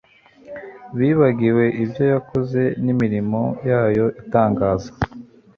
Bibagiwe ibyo yakoze N imirimo yayo itangaza